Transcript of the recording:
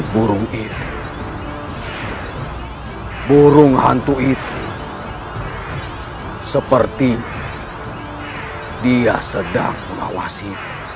burung hantu itu seperti dia sedang mengawasi